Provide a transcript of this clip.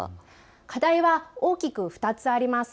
課題は大きく２つあります。